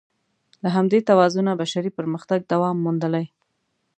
له همدې توازنه بشري پرمختګ دوام موندلی.